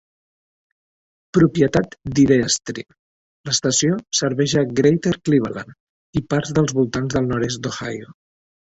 Propietat d'Ideastream, l'estació serveix a Greater Cleveland i parts dels voltants del nord-est d'Ohio.